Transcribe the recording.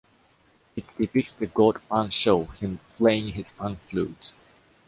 It depicts the god Pan show him playing his pan flute.